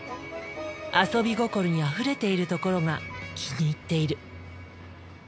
遊び心にあふれているところが気に入っている。